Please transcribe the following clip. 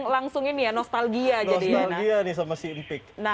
langsung ini ya nostalgia nih sempet